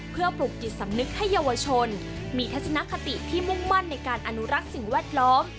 เพื่อปลุกจิตสำนึกให้เยาวชนมีทัศนคติที่มุ่งมั่นในการอนุรักษ์สิ่งแวดล้อม